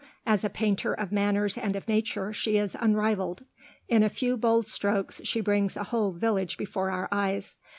As a painter of manners and of nature she is unrivaled. In a few bold strokes she brings a whole village before our eyes.